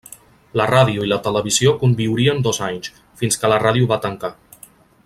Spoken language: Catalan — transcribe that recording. La ràdio i la televisió conviurien dos anys, fins que la ràdio va tancar.